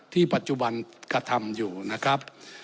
ปัจจุบันกระทำอยู่นะครับ